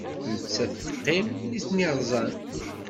Nettat teqqim, nitni rzan.